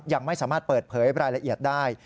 ยังไม่สามารถเปิดเผยรายละเอียดได้